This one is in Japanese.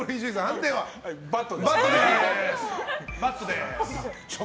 バッドです。